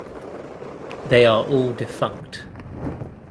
They are all defunct.